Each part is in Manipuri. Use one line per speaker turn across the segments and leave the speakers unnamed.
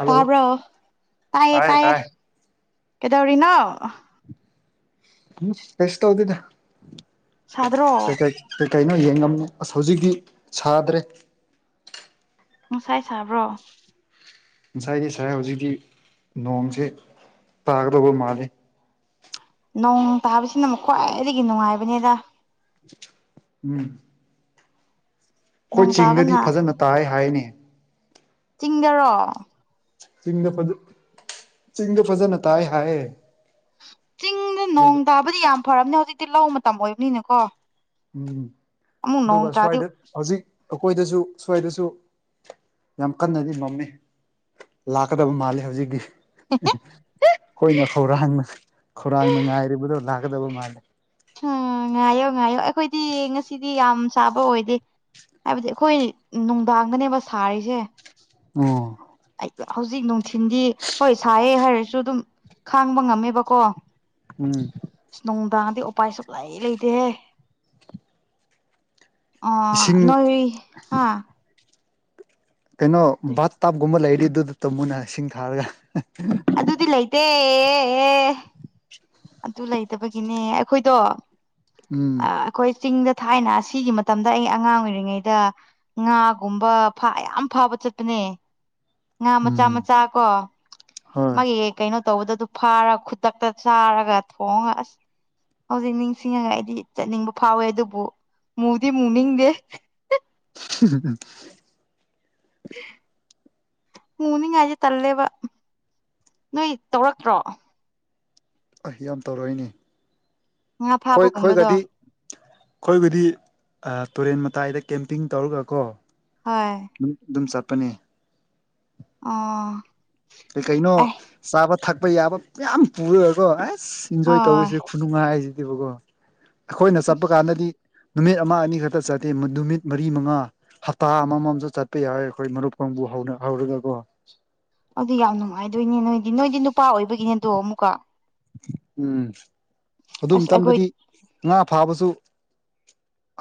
ꯍꯜꯂꯣ
ꯇꯥꯕ꯭ꯔꯣ ꯇꯥꯏꯌꯦ
ꯇꯥꯏ
ꯇꯥꯏꯌꯦ
ꯇꯥꯏ
ꯀꯩꯗꯧꯔꯤꯅꯣ
[unintelligible] ꯀꯩꯁꯨ ꯇꯧꯗꯦꯗ
ꯁꯥꯗ꯭ꯔꯣ
[unintelligible] ꯀꯩ ꯀꯩꯅꯣ ꯌꯦꯡꯉꯝꯃꯤ ꯑꯁ ꯍꯧꯖꯤꯛꯇꯤ ꯁꯥꯗ꯭ꯔꯦ
ꯉꯁꯥꯏ ꯁꯥꯕ꯭ꯔꯣ
ꯉꯁꯥꯏꯒꯤ ꯁꯥꯏ ꯍꯧꯖꯤꯛꯇꯤ ꯅꯣꯡꯁꯦ ꯇꯥꯒꯗꯥꯕ ꯃꯥꯜꯂꯤ
ꯅꯣꯡ ꯇꯥꯕꯁꯤꯅ ꯑꯃꯨꯛ ꯈ꯭ꯋꯥꯏꯗꯒꯤ ꯅꯨꯡꯉꯥꯏꯕꯅꯦꯗ
ꯎꯝ ꯈꯣꯏ
ꯅꯣꯡ
ꯆꯤꯡꯗꯗꯤ
ꯇꯥꯕꯅ
ꯐꯖꯅ ꯇꯥꯏ ꯍꯥꯏꯅꯦ
ꯆꯤꯡꯗꯔꯣ
ꯆꯤꯡꯗ ꯐꯖ ꯆꯤꯡꯗ ꯐꯖꯅ ꯇꯥꯏ ꯍꯥꯏꯌꯦ
ꯆꯤꯡꯗ ꯅꯣꯡ
ꯑꯗꯨꯒ
ꯇꯥꯕꯗꯤ ꯌꯥꯝ ꯐꯔꯝꯅꯦ ꯍꯧꯖꯤꯛꯇꯤ ꯂꯧ ꯃꯇꯝ ꯑꯣꯏꯕꯅꯤꯅꯀꯣ
ꯎꯝ
ꯑꯃꯨꯛ ꯅꯣꯡ
ꯑꯗꯨꯒ
ꯇꯥꯗꯤ
ꯁ꯭ꯋꯥꯏꯗ ꯍꯧꯖꯤꯛ ꯑꯩꯈꯣꯏꯗꯁꯨ ꯁ꯭ꯋꯥꯏꯗꯁꯨ ꯌꯥꯝ ꯀꯥꯟꯅꯗꯤ ꯃꯝꯃꯤ ꯂꯥꯛꯀꯗꯕ ꯃꯥꯜꯂꯦ ꯍꯧꯖꯤꯛꯀꯤ ꯍꯣꯏꯅ ꯈꯧꯔꯥꯡꯅ ꯈꯧꯔꯥꯡꯅ ꯉꯥꯏꯔꯤꯕꯗꯣ ꯂꯥꯛꯀꯗꯕ ꯃꯥꯜꯂꯦ
[unintelligible] ꯉꯥꯏꯌꯣ ꯉꯥꯏꯌꯣ ꯑꯩꯈꯣꯏꯗꯤ ꯉꯁꯤꯗꯤ ꯌꯥꯝ ꯁꯥꯕ ꯑꯣꯏꯗꯦ ꯍꯥꯏꯕꯗꯤ ꯑꯩꯈꯣꯏ ꯅꯨꯡꯗꯥꯡꯗꯅꯦꯕ ꯁꯥꯔꯤꯁꯦ
ꯑꯣ
[unintelligible] ꯍꯧꯖꯤꯛ ꯅꯨꯡꯊꯤꯟꯗꯤ ꯍꯣꯏ ꯁꯥꯏꯌꯦ ꯍꯥꯏꯔꯁꯨ ꯑꯗꯨꯝ ꯈꯥꯡꯕ ꯉꯝꯃꯦꯕꯀꯣ
ꯎꯝ
ꯁ ꯅꯨꯡꯗꯥꯡꯗꯤ ꯎꯄꯥꯏ ꯁꯨꯛꯂꯩ ꯂꯩꯇꯦꯍꯦ ꯑꯣ
ꯏꯁꯤꯡ
ꯅꯣꯏ ꯍꯥꯥ
ꯀꯩꯅꯣ ꯕꯥꯠ ꯇꯞ ꯒꯨꯝꯕ ꯂꯩꯔꯗꯤ ꯗꯨꯗ ꯇꯨꯝꯃꯨꯅꯦ ꯏꯁꯤꯡ ꯊꯥꯔꯒ
ꯑꯗꯨꯗꯤ ꯂꯩꯇꯦ
[unintelligible]
ꯑꯗꯨ ꯂꯩꯇꯕꯒꯤꯅꯦ ꯑꯩꯈꯣꯏꯗꯣ
ꯎꯝ
ꯑꯥ ꯑꯈꯣꯏ ꯆꯤꯡꯗ ꯊꯥꯏꯅ ꯁꯤꯒꯤ ꯃꯇꯝꯗ ꯑꯩ ꯑꯉꯥꯡ ꯑꯣꯏꯔꯤꯉꯩꯗ ꯉꯥꯒꯨꯝꯕ ꯐꯥ ꯌꯥꯝ ꯐꯥꯕ ꯆꯠꯄꯅꯦ ꯉꯥ ꯃꯆꯥ
ꯎꯝ
ꯃꯆꯥ ꯀꯣ
ꯍꯣꯏ
ꯃꯥꯒꯤ ꯀꯩꯅꯣ ꯇꯧꯕꯗ ꯑꯗꯨ ꯐꯥꯔ ꯈꯨꯗꯛꯇ ꯆꯥꯔꯒ ꯊꯣꯡꯉ ꯑꯁ ꯍꯧꯖꯤꯛ ꯅꯤꯡꯁꯤꯡꯉꯒ ꯑꯩꯗꯤ ꯆꯠꯅꯤꯡꯕ ꯐꯥꯎꯋꯦ ꯑꯗꯨꯕꯨ ꯃꯨꯗꯤ ꯃꯨꯛꯅꯤꯡꯗꯦ
[unintelligible]
ꯃꯨꯅꯤꯡꯉꯥꯏꯗꯤ ꯇꯜꯂꯦꯕ ꯅꯣꯏ ꯇꯧꯔꯛꯇ꯭ꯔꯣ
ꯑꯩ ꯌꯥꯝ ꯇꯧꯔꯛꯏꯅꯤ
ꯉꯥ
ꯈꯣꯏ
ꯐꯥꯕꯒꯨꯝꯕꯗꯣ
ꯈꯣꯏꯒꯗꯤ ꯑꯈꯣꯏꯕꯨꯗꯤ ꯑ ꯇꯨꯔꯦꯟ ꯃꯇꯥꯏꯗ ꯀꯦꯝꯄꯤꯡ ꯇꯧꯔꯒ ꯀꯣ
ꯍꯣꯏ
ꯍꯝ ꯗꯨꯝ ꯆꯠꯄꯅꯦ
ꯑꯥ
ꯀꯩ ꯀꯩꯅꯣ ꯆꯥꯕ ꯊꯛꯄ ꯌꯥꯕ ꯃꯌꯥꯝ ꯄꯨꯔꯒꯀꯣ ꯑꯦꯁ ꯏꯟꯖꯣꯏ
ꯍꯣꯏ
ꯇꯧꯕꯁꯦ ꯈꯨꯅꯨꯡꯉꯥꯏꯖꯤꯗꯤꯕꯀꯣ ꯑꯈꯣꯏꯅ ꯆꯠꯄ ꯀꯥꯟꯗꯗꯤ ꯅꯨꯃꯤꯠ ꯑꯃ ꯑꯅꯤ ꯈꯇ ꯆꯠꯇꯦ ꯃ ꯅꯨꯃꯤꯠ ꯃꯔꯤ ꯃꯉꯥ ꯍꯞꯇꯥ ꯑꯃꯃꯝꯁꯨ ꯆꯠꯄ ꯌꯥꯎꯋꯦ ꯑꯈꯣꯏ ꯃꯔꯨꯞ ꯀꯥꯡꯕꯨ ꯍꯧꯅ ꯍꯧꯔꯒꯀꯣ
ꯑꯗꯨ ꯌꯥꯝ ꯅꯨꯡꯉꯥꯏꯗꯨꯏꯅꯦ ꯅꯣꯏꯗꯤ ꯅꯣꯏꯗꯤ ꯅꯨꯄꯥ ꯑꯣꯏꯕꯒꯤꯅꯦꯗꯣ ꯑꯃꯨꯛꯀꯥ
ꯎꯝ ꯑꯗꯨ
ꯑꯁ ꯑꯩꯈꯣꯏ
ꯃꯇꯝꯗꯗꯤ ꯉꯥ ꯐꯥꯕꯁꯨ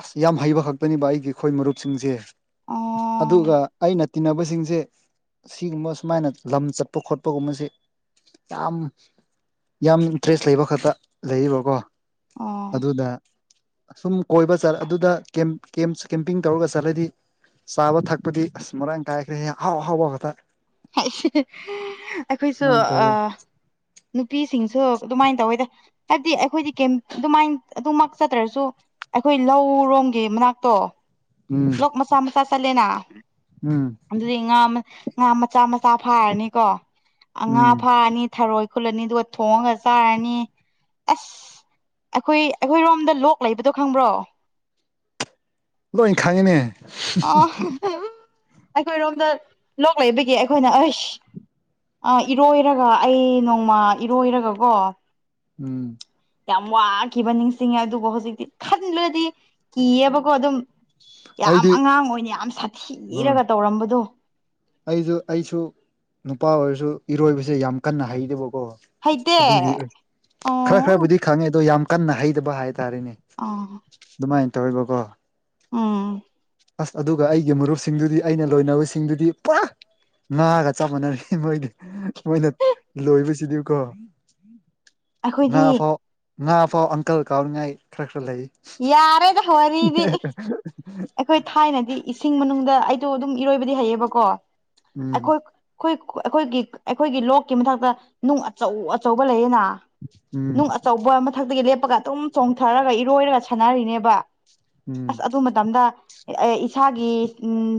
ꯑꯁ ꯌꯥꯝ ꯍꯩꯕ ꯈꯛꯇꯅꯦꯕ ꯑꯩꯒꯤ ꯑꯈꯣꯏ ꯃꯔꯨꯞꯁꯤꯡꯁꯦ
ꯑꯣ
ꯑꯗꯨꯒ ꯑꯩꯅ ꯇꯤꯟꯅꯕꯁꯤꯡꯁꯦ ꯁꯤꯒꯨꯝꯕ ꯁꯨꯃꯥꯏꯅ ꯂꯝ ꯆꯠꯄ ꯈꯣꯠꯄꯒꯨꯝꯕꯁꯤ ꯌꯥꯝ ꯌꯥꯝ ꯏꯟꯇ꯭ꯔꯦꯁ ꯂꯩꯕ ꯈꯛꯇ ꯂꯩꯔꯤꯕꯀꯣ
ꯑꯣ
ꯑꯗꯨꯗ ꯑꯁꯨꯝ ꯀꯣꯏꯕ ꯆꯠꯂ ꯑꯗꯨꯗ ꯀꯦꯝ ꯀꯦꯝꯁ ꯀꯦꯝꯄꯤꯡ ꯇꯧꯔꯒ ꯆꯠꯂꯗꯤ ꯆꯥꯕ ꯊꯛꯄꯗꯤ ꯑꯁ ꯃꯔꯥꯡ ꯀꯥꯏꯈ꯭ꯔꯦꯍꯦ ꯑꯍꯥꯎ ꯑꯍꯥꯎꯕ ꯈꯇ
[unintelligible] ꯑꯩꯈꯣꯏꯁꯨ
ꯁꯨꯃꯥꯏꯅ
ꯑ
ꯇꯧꯋꯦ
ꯅꯨꯄꯤꯁꯤꯡꯁꯨ ꯑꯗꯨꯃꯥꯏꯟ ꯇꯧꯋꯦꯗ ꯍꯥꯏꯕꯗꯤ ꯑꯩꯈꯣꯏꯗꯤ ꯀꯦꯝ ꯑꯗꯨꯃꯥꯏꯟ ꯑꯗꯨꯃꯛ ꯆꯠꯇ꯭ꯔꯁꯨ ꯑꯩꯈꯣꯏ ꯂꯧꯔꯣꯝꯒꯤ ꯃꯅꯥꯛꯇꯣ
ꯎꯝ
ꯂꯣꯛ ꯃꯆꯥ ꯃꯆꯥ ꯆꯠꯜꯂꯦꯅꯥ
ꯎꯝ
ꯑꯗꯨꯗꯩ ꯉꯥ ꯃ ꯉꯥ ꯃ ꯉꯥ ꯃꯆꯥ ꯐꯥꯔꯅꯤꯀꯣ ꯑꯥ ꯉꯥ
ꯎꯝ
ꯐꯥ ꯊꯥꯛꯑꯅꯤ ꯊꯔꯣꯏ ꯈꯨꯜꯂꯅꯤ ꯑꯗꯨꯒ ꯊꯣꯡꯉꯒ ꯆꯥꯔꯅꯤ ꯑꯁ ꯑꯩꯈꯣꯏ ꯑꯩꯈꯣꯏꯔꯣꯝꯗ ꯂꯣꯛ ꯂꯩꯕꯗꯣ ꯈꯪꯕ꯭ꯔꯣ
ꯂꯣꯏ ꯈꯪꯉꯤꯅꯦ
ꯑ
[unintelligible]
ꯑꯩꯈꯣꯏꯔꯣꯝꯗ ꯂꯣꯛ ꯂꯩꯕꯒꯤ ꯑꯈꯣꯏꯅ ꯑꯩꯁ ꯑ ꯏꯔꯣꯏꯔꯒ ꯑꯩ ꯅꯣꯡꯃ ꯏꯔꯣꯏꯔꯒꯀꯣ
ꯎꯝ
ꯌꯥꯝ ꯋꯥꯈꯤꯕ ꯅꯤꯡꯁꯤꯡꯉꯦ ꯑꯗꯨꯕꯨ ꯍꯧꯖꯤꯛꯇꯤ ꯈꯟꯂꯨꯔꯗꯤ ꯀꯤꯌꯦꯕꯀꯣ ꯑꯗꯨꯝ ꯌꯥꯝ
ꯑꯩꯗꯤ
ꯑꯉꯥꯡ ꯑꯣꯏꯅ ꯌꯥꯝ
ꯍꯣꯏ
ꯁꯥꯊꯤꯔꯒ ꯇꯧꯔꯝꯕꯗꯣ
ꯑꯩꯁꯨ ꯑꯩꯁꯨ ꯅꯨꯄꯥ ꯑꯣꯏꯔꯁꯨ ꯏꯔꯣꯏꯕꯁꯦ ꯌꯥꯝ ꯀꯟꯅ ꯍꯩꯇꯦꯕꯀꯣ
ꯍꯩꯇꯦ
ꯑꯗꯨꯒꯤ ꯈꯔ
ꯑꯣ
ꯈꯔꯕꯨꯗꯤ ꯈꯪꯉꯦ ꯑꯗꯣ ꯌꯥꯝ ꯀꯟꯅ ꯍꯩꯇꯕ ꯍꯥꯏꯇꯥꯔꯦꯅꯦ
ꯑꯥ
ꯗꯨꯃꯥꯏꯅ ꯇꯧꯋꯦꯕꯀꯣ
ꯎꯝ
ꯑꯁ ꯑꯗꯨꯒ ꯑꯩꯒꯤ ꯃꯔꯨꯞꯁꯤꯡꯗꯨꯗꯤ ꯑꯩꯅ ꯂꯣꯏꯅꯕꯁꯤꯡꯗꯨꯗꯤ ꯄꯨꯔꯥ ꯉꯥꯒ ꯆꯞ ꯃꯥꯟꯅꯩ ꯃꯣꯏꯗꯤ ꯃꯣꯏꯅ ꯂꯣꯏꯕꯁꯤꯗꯤꯀꯣ ꯉꯥ
ꯑꯩꯈꯣꯏꯗꯤ
ꯐꯥꯎ ꯉꯥ ꯐꯥꯎ ꯑꯪꯀꯜ ꯀꯥꯎꯅꯥꯉꯥꯏ ꯈꯔ ꯈꯔ ꯂꯩ
ꯌꯥꯔꯦꯗ ꯋꯥꯔꯤꯗꯤ
[unintelligible]
ꯑꯩꯈꯣꯏ ꯊꯥꯏꯅꯗꯤ ꯏꯁꯤꯡ ꯃꯅꯨꯡꯗ ꯑꯩꯗꯣ ꯑꯗꯨꯝ ꯏꯔꯣꯏꯕꯗꯤ ꯍꯩꯌꯦꯕꯀꯣ
ꯎꯝ
ꯑꯩꯈꯣꯏ ꯑꯩꯈꯣꯏ ꯑꯩꯈꯣꯏꯒꯤ ꯑꯩꯈꯣꯏꯒꯤ ꯂꯣꯛꯀꯤ ꯃꯊꯛꯇ ꯅꯨꯡ ꯑꯆꯧ ꯑꯆꯧꯕ ꯂꯩꯌꯦꯅ
ꯎꯝ
ꯅꯨꯡ ꯑꯆꯧꯕ ꯃꯊꯛꯇꯒꯤ ꯂꯦꯞꯄꯒ ꯑꯗꯨꯝ ꯆꯣꯡꯊꯔꯒ ꯏꯔꯣꯏꯔꯒ ꯁꯥꯟꯅꯔꯤꯅꯦꯕ
ꯎꯝ
ꯑꯁ ꯑꯗꯨ ꯃꯇꯝꯗ ꯑꯦ ꯏꯁꯥꯒꯤ ꯎꯝ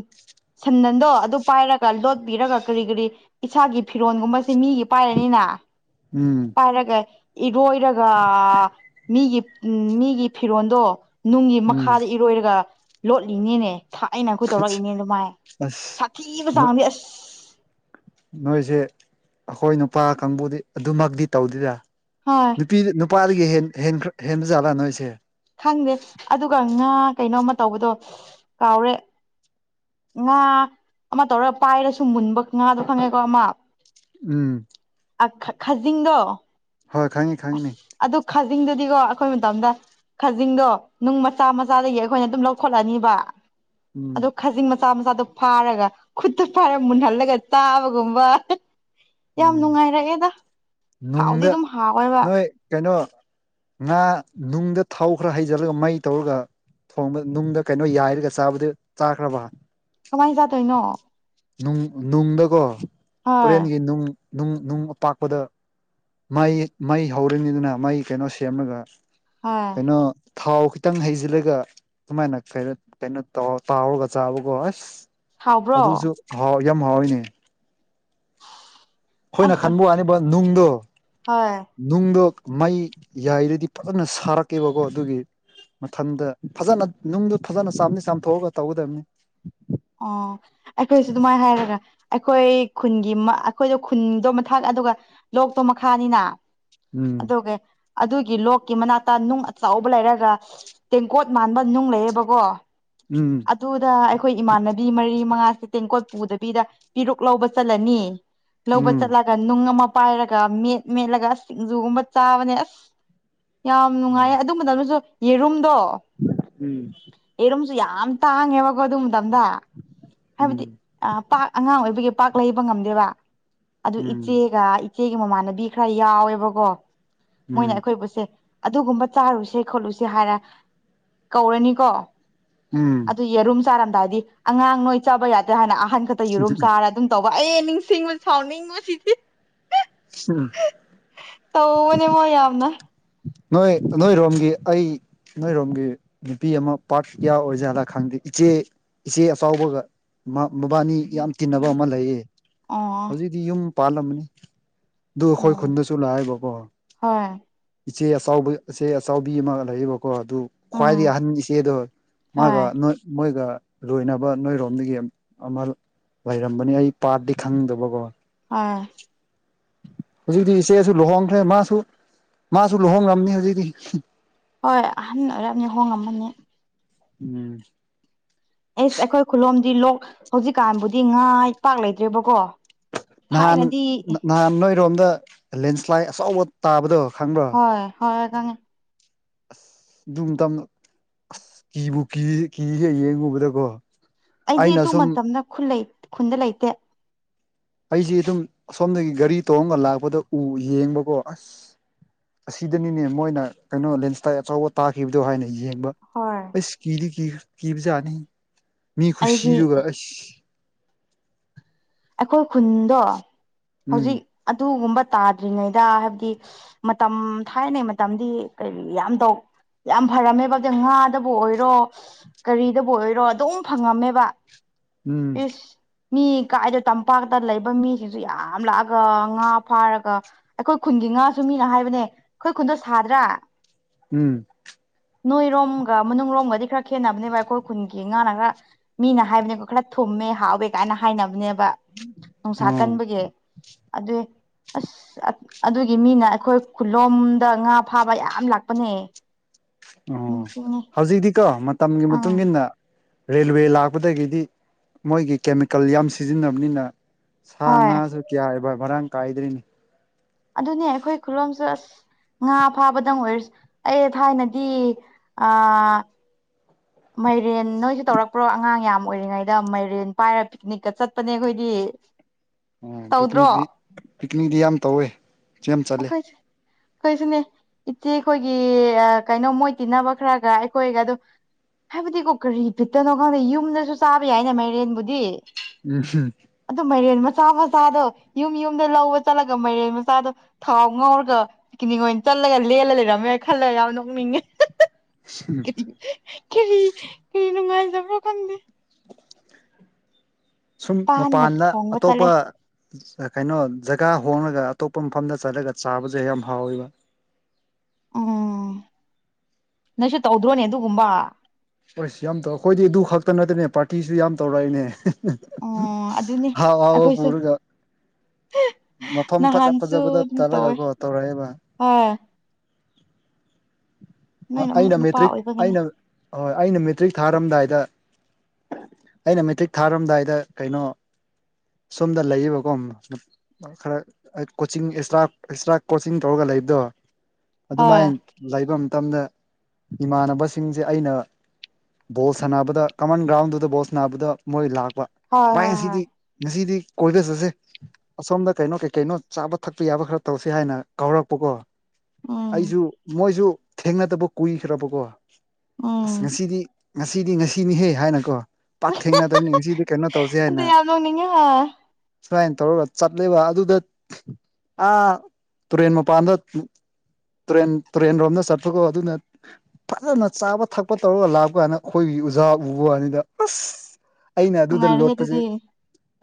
ꯁꯟꯗꯟꯗꯣ ꯑꯗꯨ ꯄꯥꯏꯔꯒ ꯂꯣꯠꯄꯤꯔꯒ ꯀꯔꯤ ꯀꯔꯤ ꯏꯁꯥꯒꯤ ꯐꯤꯔꯣꯟꯒꯨꯝꯕꯁꯤ ꯃꯤꯒꯤ ꯄꯥꯏꯔꯅꯤꯅ
ꯎꯝ
ꯄꯥꯏꯔꯒ ꯏꯔꯣꯏꯔꯒ ꯃꯤꯒꯤ ꯃꯤꯒꯤ ꯐꯤꯔꯣꯟꯗꯣ ꯅꯨꯡꯒꯤ
ꯎꯝ
ꯃꯈꯥꯗ ꯏꯔꯣꯏꯔꯒ ꯂꯣꯠꯂꯤꯅꯤꯅꯦ ꯊꯥꯏꯅ ꯑꯩꯈꯣꯏ ꯇꯧꯔꯛꯏꯅꯦ ꯑꯗꯨꯃꯥꯏ
ꯑꯁ
ꯁꯥꯊꯤꯕ ꯆꯥꯡꯗꯤ ꯑꯁ
ꯅꯣꯏꯁꯦ ꯑꯈꯣꯏ ꯅꯨꯄꯥ ꯀꯥꯡꯕꯨꯗꯤ ꯑꯗꯨꯃꯛꯇꯤ ꯇꯧꯗꯦꯗ
ꯍꯣꯏ
ꯅꯨꯄꯤ ꯅꯨꯄꯥꯗꯒꯤ ꯍꯦꯟ ꯍꯦꯟꯈ꯭ꯔ ꯍꯦꯟꯕ ꯖꯥꯠꯂꯥ ꯅꯣꯏꯁꯦ
ꯈꯪꯗꯦ ꯑꯗꯨꯒ ꯉꯥ ꯀꯩꯅꯣꯃ ꯇꯧꯕꯗꯣ ꯀꯥꯎꯔꯦ ꯉꯥ ꯑꯃ ꯇꯧꯔꯒ ꯄꯥꯏꯔꯁꯨ ꯃꯨꯟꯕ ꯉꯥꯗꯣ ꯈꯪꯉꯦꯀꯣ ꯑꯃ
ꯎꯨꯝ
ꯑꯥ ꯈꯠ ꯈꯥꯖꯤꯡꯗꯣ
ꯍꯣꯏ ꯈꯪꯉꯤ
ꯑꯁ
ꯈꯪꯉꯤꯅꯦ
ꯑꯗꯨ ꯈꯥꯖꯤꯡꯗꯨꯗꯤꯀꯣ ꯑꯩꯈꯣꯏ ꯃꯇꯝꯗ ꯈꯖꯤꯡꯗꯣ ꯅꯨꯡ ꯃꯆꯥ ꯃꯆꯥꯗꯒꯤ ꯑꯩꯈꯣꯏꯅ ꯑꯗꯨꯝ ꯂꯧꯈꯠꯂꯅꯤꯕ
ꯎꯝ
ꯑꯗ ꯈꯖꯤꯡ ꯃꯆꯥ ꯃꯆꯥꯗꯨ ꯐꯥꯔꯒ ꯈꯨꯠꯇ ꯐꯥꯔꯒ ꯃꯨꯟꯍꯜꯂꯒ ꯆꯥꯕꯒꯨꯝꯕ ꯌꯥꯝ
ꯎꯝ
ꯅꯨꯡꯉꯥꯏꯔꯛꯑꯦꯗ ꯍꯥꯎꯗꯤ ꯑꯗꯨꯝ ꯍꯥꯎꯋꯦꯕ
ꯍꯣꯏ ꯀꯩꯅꯣ ꯉꯥ ꯅꯨꯡꯗ ꯊꯥꯎ ꯈꯔ ꯍꯩꯖꯜꯂꯒ ꯃꯩ ꯇꯧꯔꯒ ꯊꯣꯡꯕ ꯅꯨꯡꯗ ꯀꯩꯅꯣ ꯌꯥꯏꯔꯒ ꯆꯥꯕꯗꯨ ꯆꯥꯈ꯭ꯔꯕ
ꯀꯃꯥꯏꯟ ꯆꯥꯗꯣꯏꯅꯣ
ꯅꯨꯡ ꯅꯨꯡꯗꯀꯣ
ꯍꯣꯏ
ꯇꯨꯔꯦꯟꯒꯤ ꯅꯨꯡ ꯅꯨꯡ ꯑꯄꯥꯛꯄꯗ ꯃꯩ ꯃꯩ ꯍꯧꯔꯅꯤꯗꯅ ꯃꯩ ꯀꯩꯅꯣ ꯁꯦꯝꯂꯒ
ꯍꯣꯏ
ꯀꯩꯅꯣ ꯊꯥꯎ ꯈꯤꯇꯪ ꯍꯩꯖꯤꯜꯂꯒ ꯁꯨꯃꯥꯏꯅ ꯀꯩꯔ ꯀꯩꯅꯣ ꯇꯧ ꯇꯥꯎꯔꯒ ꯆꯥꯕꯀꯣ ꯑꯁ
ꯍꯥꯎꯕ꯭ꯔꯣ
ꯑꯗꯨꯁꯨ ꯍꯥꯎ ꯌꯥꯝ ꯍꯥꯎꯋꯤꯅꯦ ꯑꯈꯣꯏꯅ
ꯑꯁ
ꯈꯟꯕ ꯋꯥꯅꯤꯕ ꯅꯨꯡꯗꯣ
ꯍꯣꯏ
ꯅꯨꯡꯗꯣ ꯃꯩ ꯌꯥꯏꯔꯗꯤ ꯐꯖꯅ ꯁꯥꯔꯛꯀꯦꯕꯀꯣ ꯑꯗꯨꯒꯤ ꯃꯊꯟꯗ ꯐꯖꯅ ꯅꯨꯡꯗꯨ ꯐꯖꯅ ꯆꯥꯝꯗꯤ ꯆꯥꯝꯊꯣꯛꯑꯒ ꯇꯧꯒꯗꯕꯅꯤ
ꯑꯣ ꯑꯩꯈꯣꯏꯁꯨ ꯑꯗꯨꯃꯥꯏꯅ ꯍꯥꯏꯔꯒ ꯑꯩꯈꯣꯏ ꯈꯨꯟꯒꯤ ꯃꯥ ꯑꯩꯈꯣꯏꯗꯣ ꯈꯨꯟꯗꯣ ꯃꯊꯥꯛ ꯑꯗꯨꯒ ꯂꯣꯛꯇꯣ ꯃꯈꯥꯅꯤꯅ
ꯎꯝ
ꯑꯗꯨꯒꯤ ꯑꯗꯨꯒꯤ ꯂꯣꯛꯀꯤ ꯃꯅꯥꯛꯇ ꯅꯨꯡ ꯑꯆꯧꯕ ꯂꯩꯔꯒ ꯇꯦꯡꯀꯣꯠ ꯃꯥꯟꯕ ꯅꯨꯡ ꯂꯩꯌꯦꯕꯀꯣ
ꯎꯝ
ꯑꯗꯨꯗ ꯑꯩꯈꯣꯏ ꯏꯃꯥꯟꯅꯕꯤ ꯃꯔꯤ ꯃꯉꯥꯁꯦ ꯇꯦꯡꯀꯣꯠ ꯄꯨꯗꯕꯤꯗ ꯄꯤꯔꯨꯛ ꯂꯧꯕ ꯆꯠꯂꯅꯤ ꯂꯧꯕ
ꯎꯝ ꯎꯝ
ꯆꯠꯂ‍ ꯑ ꯅꯨꯡ ꯑꯃ ꯄꯥꯏꯔꯒ ꯃꯦꯠ ꯃꯦꯠꯂꯒ ꯁꯤꯡꯖꯨꯒꯨꯝꯕ ꯆꯥꯕꯅꯦ ꯑꯁ ꯌꯥꯝ ꯅꯨꯡꯉꯥꯏꯌꯦ ꯑꯗꯨ ꯃꯇꯝꯅꯁꯨ ꯌꯦꯔꯨꯝꯗꯣ
ꯎꯝ
ꯑꯩꯔꯨꯝꯁꯨ ꯌꯥꯝ ꯇꯥꯡꯉꯦꯕꯀꯣ ꯑꯗꯨ ꯃꯇꯝꯗ ꯍꯥꯏꯕꯗꯤ ꯑ ꯄꯥꯛ ꯑꯉꯥꯡ ꯑꯣꯏꯕꯒꯤ ꯄꯥꯛ ꯂꯩꯕ ꯉꯝꯗꯦꯕ ꯑꯗꯨ
ꯎꯝ ꯎꯝ
ꯏꯆꯦꯒ ꯏ ꯏꯆꯦꯒꯤ ꯃꯃꯥꯟꯅꯕꯤ ꯈꯔ ꯌꯥꯎꯋꯦꯕꯀꯣ ꯃꯣꯏꯅ
ꯎꯝ
ꯑꯩꯈꯣꯏꯕꯨꯠꯁꯦ ꯑꯗꯨꯒꯨꯝꯕ ꯆꯥꯔꯨꯁꯦ ꯈꯣꯠꯂꯨꯁꯦ ꯍꯥꯏꯔ ꯀꯧꯔꯅꯤꯀꯣ
ꯎꯝ
ꯑꯗꯨ ꯌꯦꯔꯨꯝ ꯆꯥꯔꯝꯗꯥꯏꯗꯤ ꯑꯉꯥꯡ ꯅꯣꯏ ꯆꯥꯕ ꯌꯥꯗꯦ ꯍꯥꯏꯅ ꯑꯍꯟ ꯈꯛꯇ ꯌꯦꯔꯨꯝ ꯆꯥꯔ ꯑꯗꯨꯝ ꯇꯧꯕ ꯑꯩ ꯅꯤꯡꯁꯤꯡꯉ ꯁꯥꯎꯅꯤꯡꯕ ꯁꯤꯗꯤ
ꯎꯝ
ꯇꯧꯕꯅꯦ ꯃꯣꯏ ꯌꯥꯝꯅ
ꯅꯣꯏ ꯅꯣꯏꯔꯣꯝꯒꯤ ꯑꯩ ꯅꯣꯏꯔꯣꯝꯒꯤ ꯅꯨꯄꯤ ꯑꯃ ꯄꯥ꯭ꯔꯠ ꯀꯌꯥ ꯑꯣꯏꯖꯥꯂꯥ ꯈꯪꯗꯦ ꯏꯆꯦ ꯏꯆꯦ ꯑꯆꯥꯎꯕꯒ ꯃꯥ ꯃꯕꯥꯅꯤ ꯌꯥꯝ ꯇꯤꯟꯅꯕ ꯑꯃ ꯂꯩꯌꯦ
ꯑꯣ
ꯗꯤ ꯌꯨꯝ ꯄꯥꯜꯂꯝꯃꯅꯤ ꯑꯗꯨ ꯑꯩꯈꯣꯏ
ꯑꯣ
ꯈꯨꯟꯗꯁꯨ ꯂꯥꯛꯑꯦꯕꯧ
ꯍꯣꯏ
ꯏꯆꯦ ꯑꯆꯥꯎꯕꯩ ꯏꯆꯦ ꯑꯆꯥꯎꯕꯤ ꯑꯃ ꯂꯩꯌꯦꯕꯀꯣ ꯑꯗꯨ ꯈ꯭ꯋꯥꯏꯗꯒꯤ
ꯎꯝ
ꯑꯍꯟ ꯏꯆꯦꯗꯣ ꯃꯥꯒ
ꯍꯣꯏ
ꯅꯣꯏ ꯃꯣꯏꯒ ꯂꯣꯏꯅꯕ ꯅꯣꯏꯔꯣꯝꯗꯒꯤ ꯑꯃ ꯂꯩꯔꯝꯕꯅꯤ ꯑꯩ ꯄꯥꯗꯤ ꯈꯪꯗꯕꯀꯣ
ꯍꯣꯏ
ꯍꯧꯖꯤꯛꯇꯤ ꯏꯆꯦꯁꯨ ꯂꯨꯍꯣꯡ ꯈ꯭ꯔꯦ ꯃꯥꯁꯨ ꯃꯥꯁꯨ ꯂꯨꯍꯣꯡꯂꯝꯅꯤ ꯍꯧꯖꯤꯛꯇꯤ
ꯍꯣꯏ ꯑꯍꯟ ꯑꯣꯏꯔꯝꯅꯤ ꯍꯣꯡꯉꯝꯃꯅꯤ
ꯎꯝ
ꯑꯦꯁ ꯑꯩꯈꯣꯏ ꯈꯨꯂꯣꯝꯗꯤ ꯂꯣꯛ ꯍꯧꯖꯤꯛꯀꯥꯟꯕꯨꯗꯤ ꯉꯥꯏ ꯄꯥꯛ ꯂꯩꯇ꯭ꯔꯦꯕꯀꯣ
ꯅꯍꯥꯟ
ꯊꯥꯏꯅꯗꯤ
ꯅꯍꯥꯟ ꯅꯣꯏꯔꯣꯝꯗ ꯂꯦꯟꯁ꯭ꯂꯥꯏꯠ ꯑꯆꯧꯕ ꯇꯥꯕꯗꯣ ꯈꯪꯕ꯭ꯔꯣ
ꯍꯣꯏ ꯍꯣꯏ ꯈꯪꯉꯦ
ꯑꯗꯨ ꯃꯇꯝ ꯑꯁ ꯀꯤꯕꯨ ꯀꯤ ꯀꯤꯌꯦ ꯌꯦꯡꯉꯨꯕꯗꯀꯣ
ꯑꯩꯗꯤ
ꯑꯩꯅ
ꯑꯗꯨ
ꯁꯨꯝ
ꯃꯇꯝꯗ ꯈꯨꯂꯩ ꯈꯨꯟꯗ ꯂꯩꯇꯦ
ꯑꯩꯖꯤ ꯑꯗꯨꯝ ꯑꯁꯣꯝꯗꯒꯤ ꯒꯥꯔꯤ ꯇꯣꯡꯔꯒ ꯂꯥꯛꯄꯗ ꯎ ꯌꯦꯡꯕꯀꯣ ꯑꯁ ꯑꯁꯤꯗꯅꯤꯅꯦ ꯃꯣꯏꯅ ꯀꯩꯅꯣ ꯂꯦꯟꯁ꯭ꯂꯥꯏꯠ ꯑꯆꯧꯕ ꯇꯥꯈꯤꯕꯗꯣ ꯍꯥꯏꯅ ꯌꯦꯡꯕ
ꯍꯣꯏ
ꯏꯁ ꯀꯤꯗꯤ ꯀꯤ ꯀꯤꯕꯖꯥꯠꯅꯤꯍꯦ ꯃꯤ
ꯑꯩꯗꯤ
ꯈꯨꯁꯤꯗꯨꯒ ꯑꯁ
ꯑꯩꯈꯣꯏ ꯈꯨꯟꯗꯣ
ꯎꯝ
ꯍꯧꯖꯤꯛ ꯑꯗꯨꯒꯨꯝꯕ ꯇꯥꯗ꯭ꯔꯤꯉꯩꯗ ꯍꯥꯏꯕꯗꯤ ꯃꯇꯝ ꯊꯥꯏꯅꯩ ꯃꯇꯝꯗꯤ ꯀꯔꯤ ꯌꯥꯝ ꯇꯧ ꯌꯥꯝ ꯐꯔꯝꯃꯦꯕꯖꯦ ꯉꯥꯗꯕꯨ ꯑꯣꯏꯔꯣ ꯀꯔꯤꯗꯕꯨ ꯑꯣꯏꯔꯣ ꯑꯗꯨꯝ ꯐꯪꯉꯝꯃꯦꯕ
ꯎꯝ
ꯏꯁ ꯃꯤ ꯀꯥꯏꯗ ꯇꯝꯄꯥꯛꯇ ꯂꯩꯕ ꯃꯤꯁꯤꯡꯁꯨ ꯌꯥꯝ ꯂꯥꯛꯑꯒ ꯉꯥ ꯐꯥꯔꯒ ꯑꯩꯈꯣꯏ ꯈꯨꯟꯒꯤ ꯉꯥꯁꯨ ꯃꯤꯅ ꯍꯥꯏꯕꯅꯦ ꯑꯩꯈꯣꯏ ꯈꯨꯟꯗꯣ ꯁꯥꯗ꯭ꯔꯥ
ꯎꯝ
ꯅꯣꯏꯔꯣꯝꯒ ꯃꯅꯨꯡꯔꯣꯝꯒꯗꯤ ꯈꯔ ꯈꯦꯠꯅꯕꯅꯦꯕ ꯑꯩꯈꯣꯏ ꯈꯨꯟꯒꯤ ꯉꯥꯅ ꯉꯥ ꯃꯤꯅ ꯍꯥꯏꯕꯅꯦꯕ ꯈꯔ ꯊꯨꯝꯃꯦ ꯍꯥꯎꯋꯦ ꯀꯥꯏꯅ ꯍꯥꯏꯅ ꯅꯦꯕ ꯅꯨꯡꯁꯥ
ꯑꯣ
ꯀꯟꯕꯒꯤ ꯑꯗꯨꯏ ꯑꯁ ꯑꯗꯨꯒꯤ ꯃꯤꯅ ꯑꯩꯈꯣꯏ ꯈꯨꯂꯣꯝꯗ ꯉꯥ ꯐꯥꯕ ꯌꯥꯝ ꯂꯥꯛꯄꯅꯦ
ꯑꯣ
ꯅꯤꯡꯁꯤꯡꯉꯦ
ꯍꯧꯖꯤꯛꯇꯤꯀꯣ ꯃꯇꯝꯒꯤ
ꯑꯥ
ꯃꯇꯨꯡ ꯏꯟꯅ ꯔꯦꯜꯋꯦ ꯂꯥꯛꯄꯗꯒꯤꯗꯤ ꯃꯣꯏꯒꯤ ꯀꯦꯃꯤꯀꯦꯜ ꯌꯥꯝ ꯁꯤꯖꯤꯟꯅꯕꯅꯤꯅ ꯁꯥ
ꯍꯣꯏ
ꯉꯥꯁꯨ ꯀꯌꯥꯕ ꯃꯔꯥꯡ ꯀꯥꯏꯗ꯭ꯔꯦꯅꯦ
ꯑꯗꯨꯅꯦ ꯑꯩꯈꯣꯏ ꯈꯨꯂꯣꯝꯁꯨ ꯑꯁ ꯉꯥ ꯐꯥꯕꯗꯪ ꯑꯣꯏꯔꯁ ꯑꯩ ꯊꯥꯏꯅꯗꯤ ꯑ ꯃꯥꯏꯔꯦꯟ ꯅꯣꯏꯁꯨ ꯇꯧꯔꯛꯄ꯭ꯔꯣ ꯑꯉꯥꯡ ꯌꯥꯝ ꯑꯣꯏꯔꯤꯉꯩꯗ ꯃꯥꯏꯔꯦꯟ ꯄꯥꯏꯔ ꯄꯤꯛꯅꯤꯛꯀ ꯆꯠꯄꯅꯦ ꯑꯩꯈꯣꯏꯗꯤ [inaudible]
ꯎ
ꯇꯧꯗ꯭ꯔꯣ
ꯄꯤꯅꯤꯛꯇꯤ ꯄꯤꯛꯅꯤꯛꯇꯤ ꯌꯥꯝ ꯇꯧꯋꯦ ꯌꯥꯝ ꯆꯠꯂꯦ
ꯑꯩꯈꯣꯏꯁꯨ ꯑꯩꯈꯣꯏꯁꯨꯅꯦ ꯏꯆꯦꯈꯣꯏꯒꯤ ꯀꯩꯅꯣ ꯃꯣꯏ ꯇꯤꯟꯅꯕ ꯈꯔꯒ ꯑꯩꯈꯣꯏꯒ ꯗꯨꯝ ꯍꯥꯏꯕꯗꯤꯀꯣ ꯀꯔꯤ ꯕꯤꯠꯇꯅꯣ ꯈꯪꯗꯦ ꯌꯨꯝꯗꯁꯨ ꯆꯥꯕ ꯌꯥꯏꯌꯦꯅ ꯃꯥꯏꯔꯦꯟꯕꯨꯗꯤ
ꯎꯝꯍꯨꯝ
ꯑꯗꯨ ꯃꯥꯏꯔꯦꯟ ꯃꯆꯥ ꯃꯆꯥꯗꯣ ꯌꯨꯝ ꯌꯨꯝꯗ ꯂꯧꯕ ꯆꯠꯂꯒ ꯃꯥꯏꯔꯦꯟ ꯃꯆꯥꯗꯣ ꯊꯥꯎ ꯉꯥꯎꯔꯒ ꯄꯤꯀꯤꯅꯤꯛ ꯑꯣꯏꯅ ꯆꯠꯂꯒ ꯂꯦꯜꯂ ꯂꯩꯔꯝꯃꯦ ꯈꯜꯂ ꯌꯥꯝ ꯅꯣꯛꯅꯤꯡꯉꯦ
ꯎꯝ
ꯀꯔꯤ ꯀꯔꯤ ꯅꯨꯡꯉꯥꯏꯖꯕ꯭ꯔꯣ ꯈꯪꯗꯦ
ꯁꯨꯝ
ꯄꯥꯟꯒ
ꯃꯄꯥꯟꯗ
ꯊꯣꯡꯕ ꯆꯠꯂꯦ
ꯑꯇꯣꯞꯄ ꯑ ꯀꯩꯅꯣ ꯖꯒꯥ ꯍꯣꯡꯂꯒ ꯑꯇꯣꯞꯄ ꯃꯐꯝꯗ ꯆꯠꯂꯒ ꯆꯥꯕꯁꯦ ꯌꯥꯝ ꯍꯥꯎꯋꯦꯕ
ꯎꯝ ꯅꯣꯏꯁꯨ ꯇꯧꯗ꯭ꯔꯣꯅꯦ ꯑꯗꯨꯒꯨꯝꯕ
ꯍꯣꯏꯁ ꯌꯥꯝ ꯇꯧꯔ ꯑꯩꯈꯣꯏꯗꯤ ꯑꯗꯨ ꯈꯛꯇ ꯅꯠꯇꯅꯦ ꯄꯥꯔꯇꯤꯁꯨ ꯌꯥꯝ ꯇꯧꯔꯛꯏꯅꯦ
ꯎꯝ ꯑꯗꯨꯅꯦ
ꯍꯥꯎ ꯍꯥꯎꯕ
ꯑꯩꯈꯣꯏꯁꯨ
ꯄꯨꯔꯒ ꯃꯐꯝ ꯐꯖ ꯐꯖꯕꯗ ꯇꯠꯂꯒꯀꯣ ꯇꯧꯔꯛꯑꯦꯕ
ꯑ ꯅꯣꯏꯅ ꯑꯃꯨꯛ
ꯑꯩꯅ
ꯅꯨꯄꯥ
ꯃꯦꯇ꯭ꯔꯤꯛ
ꯑꯣꯏꯕꯒꯤꯅꯦ
ꯑꯩꯅ ꯍꯣꯏ ꯑꯩꯅ ꯃꯦꯇ꯭ꯔꯤꯛ ꯊꯥꯔꯝꯗꯥꯏꯗ ꯑꯩꯅ ꯃꯦꯇ꯭ꯔꯤꯛ ꯊꯥꯔꯝꯗꯥꯏꯗ ꯀꯩꯅꯣ ꯁꯣꯝꯗ ꯂꯩꯌꯦꯕꯀꯣ ꯈꯔ ꯑꯩ ꯀꯣꯆꯤꯡ ꯑꯦꯛꯁꯇ꯭ꯔꯥ ꯑꯦꯛꯁꯇ꯭ꯔꯥ ꯀꯣꯆꯤꯡ ꯇꯧꯔꯒ ꯂꯩꯕꯗꯣ
ꯍꯣꯏ
ꯑꯗꯨꯃꯥꯏꯅ ꯂꯩꯕ ꯃꯇꯝꯗ ꯏꯃꯥꯟꯅꯕꯁꯤꯡꯁꯦ ꯑꯩꯅ ꯕꯣꯜ ꯁꯥꯟꯅꯕꯗ ꯀꯃꯟ ꯒ꯭ꯔꯥꯎꯟꯗꯨꯗ ꯕꯣꯜ ꯁꯥꯟꯅꯕꯗ ꯃꯣꯏ ꯂꯥꯛꯄ
ꯍꯣꯏ
ꯚꯥꯏ
ꯍꯣꯏ ꯍꯣꯏ
ꯉꯁꯤꯗꯤ ꯉꯁꯤꯗꯤ ꯀꯣꯏꯕ ꯆꯁꯦ ꯑꯁꯣꯝꯗ ꯀꯩꯅꯣ ꯀꯩ ꯀꯩꯅꯣ ꯆꯥꯕ ꯊꯛꯄ ꯌꯥꯕ ꯈꯔ ꯇꯧꯁꯤ ꯍꯥꯏꯅ ꯀꯧꯔꯛꯄꯀꯣ
ꯎꯝ
ꯑꯩꯁꯨ ꯃꯣꯏꯁꯨ ꯊꯦꯡꯅꯗꯕ ꯀꯨꯏꯈ꯭ꯔꯕꯀꯣ ꯑꯁ
ꯎꯝ
ꯉꯁꯤꯗꯤ ꯉꯁꯤꯗꯤ ꯉꯁꯤꯅꯤꯍꯦ ꯍꯥꯏꯅꯀꯣ ꯄꯥꯛ ꯊꯦꯡꯅꯗꯕꯅꯤ ꯉꯁꯤꯗꯤ ꯀꯩꯅꯣ ꯇꯧꯁꯦ
ꯑꯗꯨ
ꯍꯥꯏꯅ
ꯌꯥꯝ ꯅꯣꯛꯅꯤꯡꯉꯦ ꯍꯣꯏ
ꯁꯨꯃꯥꯏꯅ ꯇꯧꯔꯒ ꯆꯠꯂꯦꯕ ꯑꯗꯨꯗ ꯑꯥ ꯇꯨꯔꯦꯟ ꯃꯄꯥꯟꯗ ꯇꯨꯔꯦꯟ ꯇꯨꯔꯦꯟ ꯔꯣꯝꯗ ꯆꯠ ꯄꯀꯣ ꯑꯗꯨꯅ ꯐꯖꯅ ꯆꯥꯕ ꯊꯛꯄ ꯇꯧꯔꯒ ꯂꯥꯛꯄ ꯀꯥꯟꯗ ꯈꯣꯏꯒꯤ ꯑꯣꯖꯥ ꯎꯕ ꯋꯥꯅꯤꯗ ꯑꯁ ꯑꯩꯅ ꯑꯗꯨꯗ
ꯅꯨꯡꯉꯥꯏꯔꯦꯍꯦ ꯑꯗꯨꯗꯤ
ꯂꯣꯠꯄꯁꯦ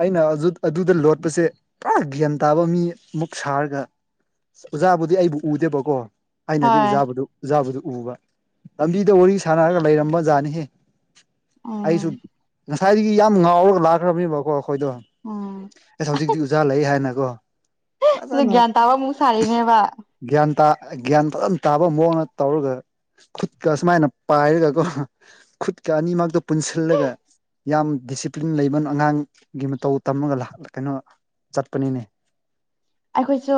ꯑꯩꯅ ꯑꯗꯨꯗ ꯂꯣꯠꯄꯁꯦ ꯄꯨꯔꯥ ꯒ꯭ꯌꯥꯟ ꯇꯥꯕ ꯃꯤ ꯑꯃꯨꯛ ꯁꯥꯔꯒ ꯑꯣꯖꯥꯕꯨꯗꯤ ꯑꯩꯕꯨ ꯎꯗꯦꯕꯀꯣ ꯑꯩꯅꯗꯤ
ꯍꯣꯏ
ꯑꯣꯖꯥꯕꯨꯗꯨ ꯖꯥꯕꯗꯨ ꯎꯕ ꯂꯝꯕꯤꯗ ꯋꯥꯔꯤ ꯁꯥꯟꯅꯔꯒ ꯂꯩꯔꯝꯕ ꯖꯥꯠꯅꯤꯍꯦ ꯫ ꯑꯩꯁꯨ
ꯎꯝ
ꯉꯁꯥꯏꯗꯒꯤ ꯌꯥꯝ ꯉꯥꯎꯔꯒ ꯂꯥꯛꯈ꯭ꯔꯕꯅꯦꯕꯀꯣ꯫ ꯈꯣꯏꯗꯣ
ꯎꯝ
ꯑꯁ ꯍꯧꯖꯤꯛꯗꯤ ꯎꯖꯥ ꯂꯩꯌꯦ ꯍꯥꯏꯅꯒꯣ ꯫
ꯗꯨ ꯒꯌ꯭ꯥꯟ ꯭ ꯇꯥꯕ ꯃꯨꯛ ꯁꯥꯔꯤꯅꯦꯕ꯫
ꯒ꯭ꯌꯥꯟ ꯇꯥ ꯒ꯭ꯌꯥꯟ ꯐꯖꯅ ꯇꯥꯕ ꯃꯑꯣꯡꯗ ꯇꯧꯔꯒ꯫ ꯈꯨꯠꯀ ꯁꯨꯃꯥꯏꯅ ꯄꯥꯏꯔꯒꯒꯣ ꯈꯨꯠꯀ ꯑꯅꯤꯃꯛꯇꯣ ꯄꯨꯟꯁꯤꯜꯂꯒ꯫ ꯌꯥꯝ ꯗꯤꯁꯤꯄ꯭ꯂꯤꯟ ꯂꯩꯕꯅ ꯑꯉꯥꯡꯒꯤ ꯃꯇꯧ ꯇꯝꯃꯒ ꯂꯥꯛ ꯑ ꯀꯩꯅꯣ ꯆꯠꯄꯅꯤꯅꯦ꯫
ꯑꯩꯈꯣꯏꯁꯨ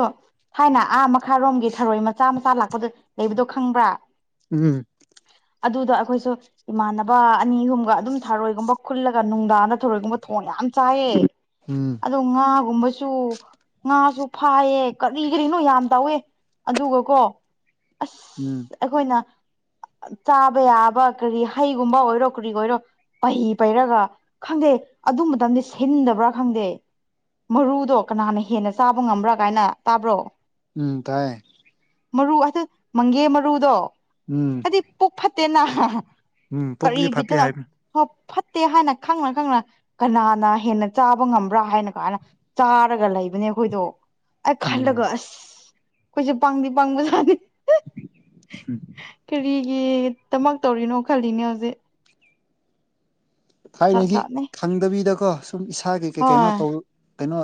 ꯊꯥꯏꯅ ꯑꯥ ꯃꯈꯥꯔꯣꯝꯒꯤ ꯊꯔꯣꯏ ꯃꯆꯥ ꯃꯆꯥ ꯂꯥꯛꯄꯗ ꯂꯩꯕꯗꯣ ꯈꯪꯕ꯭ꯔꯥ꯫
ꯎꯝ
ꯑꯗꯨꯗ ꯑꯈꯣꯏꯁꯨ꯫ ꯏꯃꯥꯟꯅꯕ ꯑꯅꯤ ꯍꯨꯝꯒ ꯑꯗꯨꯝ ꯊꯥꯔꯣꯏꯒꯨꯝꯕ ꯈꯨꯜꯂꯒ ꯅꯨꯡꯗꯥꯡꯗ ꯊꯧꯔꯣꯏꯒꯨꯝꯕ ꯊꯣꯡ ꯌꯥꯝ ꯆꯥꯏꯌꯦ
ꯎꯝ
ꯑꯗꯤ ꯉꯥꯒꯨꯝꯕꯁꯨ ꯉꯥ ꯁꯨ ꯐꯥꯏꯌꯦ ꯀꯔꯤ ꯀꯔꯤꯅꯣ ꯌꯥꯝ ꯇꯧꯋꯦ ꯑꯗꯨꯒꯀꯣ
ꯎꯝ
ꯑꯁ꯫ ꯑꯩꯈꯣꯏꯅ ꯆꯥꯕ ꯌꯥꯕ ꯀꯔꯤ ꯍꯩꯒꯨꯝꯕ ꯑꯣꯏꯔꯣ ꯀꯔꯤ ꯑꯣꯏꯔꯣ ꯫ ꯄꯩ ꯄꯩꯔꯒ ꯈꯪꯗꯦ ꯑꯗꯨ ꯃꯇꯝꯗꯤ ꯁꯤꯟꯗꯕ꯭ꯔꯥ ꯈꯪꯗꯦ꯫ ꯃꯔꯨꯗꯣ ꯀꯅꯥꯅ ꯍꯦꯟꯅ ꯆꯥꯕ ꯉꯝꯕ꯭ꯔꯥ ꯀꯥꯏꯅ ꯇꯥꯕ꯭ꯔꯣ꯫
ꯎꯝ ꯇꯥꯏꯌꯦ꯫
ꯃꯔꯨ ꯑꯍꯥ ꯃꯪꯒꯦ ꯃꯔꯨꯗꯣ꯫
ꯎꯝ
ꯇꯤ ꯄꯨꯛ ꯐꯠꯇꯦꯅ
ꯎꯝ
ꯀꯔꯤ
ꯄꯨꯛꯇꯤ ꯐꯠꯇꯦ
ꯕꯤꯠꯇꯅ꯫
ꯍꯥꯏꯕ
ꯍ ꯐꯠꯇꯦ ꯍꯥꯏꯅ ꯈꯪꯅ ꯈꯪꯅ ꯀꯅꯥꯅ ꯍꯦꯟꯅ ꯆꯥꯕ ꯉꯝꯕ꯭ꯔꯥ ꯍꯥꯏꯅ ꯀꯥꯏꯅ ꯫ ꯆꯥꯔꯒ ꯂꯩꯕꯅꯦ꯫ ꯈꯣꯏꯗꯣ ꯑꯩ
ꯎꯝ
ꯈꯜꯂꯒ ꯑꯁ ꯑꯩꯈꯣꯏꯁꯦ ꯄꯡꯗꯤ ꯄꯡꯕꯖꯥꯠꯅꯤ ꯫
ꯎꯝ
ꯀꯔꯤꯒꯤ ꯇꯃꯛ ꯇꯧꯔꯤꯅꯣ ꯈꯜꯂꯤꯅꯦ ꯍꯧꯖꯤꯛ꯫ ꯖꯥꯠ
ꯊꯥꯏꯅꯒꯤ
ꯖꯥꯠꯅꯦ
ꯈꯪꯗꯕꯤꯗꯀꯣ ꯁꯨꯝ ꯏꯁꯥꯒꯤ ꯀꯩ ꯀꯩꯅꯣ
ꯍꯣꯏ
ꯇꯧ ꯀꯩꯅꯣ꯫